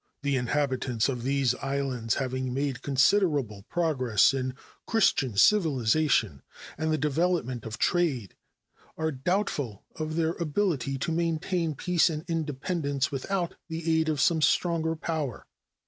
The inhabitants of these islands, having made considerable progress in Christian civilization and the development of trade, are doubtful of their ability to maintain peace and independence without the aid of some stronger power.